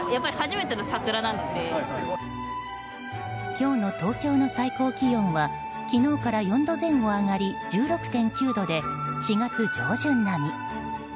今日の東京の最高気温は昨日から４度前後上がり１６．９度で４月上旬並み。